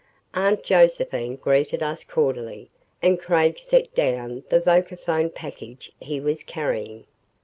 Aunt Josephine greeted us cordially and Craig set down the vocaphone package he was carrying.